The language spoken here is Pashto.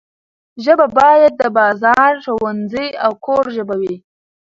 ژبه باید د بازار، ښوونځي او کور ژبه وي.